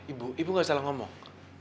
ibu ibu gak salah ngomong